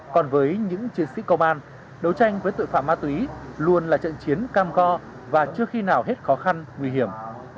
còn với những chiến sĩ công an đấu tranh với tội phạm ma túy luôn là trận chiến cam go và chưa khi nào hết khó khăn nguy hiểm